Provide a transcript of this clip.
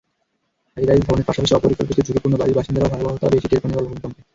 High-rise ভবনের পাশাপাশি অপরিকল্পিত ঝুঁকিপূর্ণ বাড়ির বাসিন্দারাও ভয়াবহতা বেশি টের পান এবারের ভূমিকম্পে।